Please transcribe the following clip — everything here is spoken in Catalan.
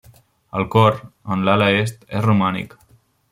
El cor, en l'ala est, és romànic.